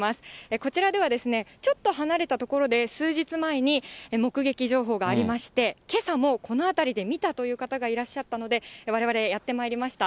こちらではちょっと離れた所で、数日前に、目撃情報がありまして、けさもこの辺りで見たという方がいらっしゃったので、われわれ、やってまいりました。